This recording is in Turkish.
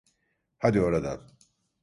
Hadi oradan!